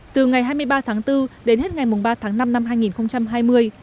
từ ngày hai mươi ba tháng bốn đến hết ngày ba tháng năm năm hai nghìn hai mươi